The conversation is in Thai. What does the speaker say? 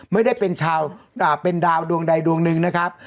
ไม่ได้เป็นชาวอ่าเป็นดาวดวงใดดวงหนึ่งนะครับ